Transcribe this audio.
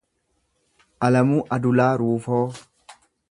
Alamuu Adulaa Ruufoo